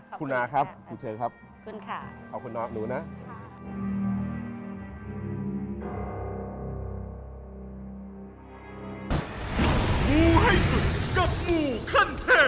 ขอบคุณค่ะครับคุณเชคครับขอบคุณน้องหนูนะค่ะ